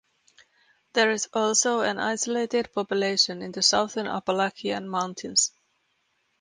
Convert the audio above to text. There is also an isolated population in the southern Appalachian Mountains.